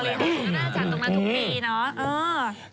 ก็ได้อาจารย์ตรงนั้นทุกปีเนอะ